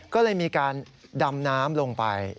ก็เลยมีการดำน้ำลงไป